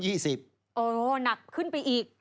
โอ้โหหนักขึ้นไปอีก